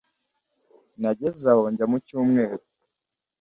Nageze aho njya mu cyumweru.